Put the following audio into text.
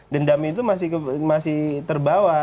dendam itu masih terbawa